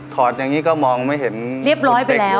อดอย่างนี้ก็มองไม่เห็นเรียบร้อยไปแล้ว